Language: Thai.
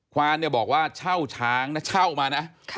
ควานบอกว่าเช่าช้างเช่ามานะ